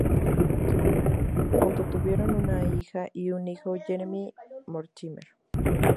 Junto tuvieron una hija y un hijo, Jeremy Mortimer.